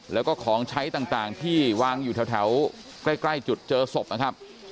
แล้วก็ของใช้ต่างที่วางอยู่แถวใกล้จุดเจอศพนะครับ